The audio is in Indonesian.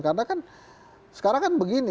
karena kan sekarang kan begini